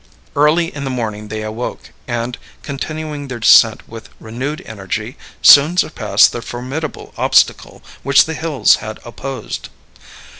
Early in the morning they awoke, and, continuing their descent with renewed energy, soon surpassed the formidable obstacle which the hills had opposed.